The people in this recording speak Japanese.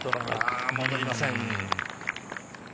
戻りません。